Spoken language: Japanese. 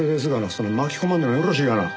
そんな巻き込まんでもよろしいがな。